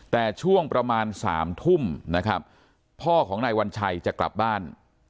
แต่ช่วงประมาณ๓ทุ่มนะครับพ่อของนายวัญชัยจะกลับบ้าน